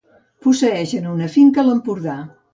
Posseeixen una finca a l'Empordà.